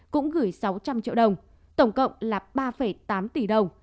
cũng gửi sáu trăm linh triệu đồng tổng cộng là ba tám tỷ đồng